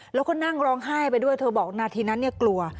แล้วก็นั่งร้องไห้ไปด้วยเธอบอกนาทีนั้นเนี่ยกลัว